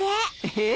えっ？